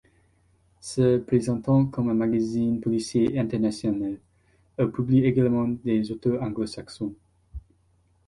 Se présentant comme un magazine policier international, elle publie également des auteurs anglo-saxons.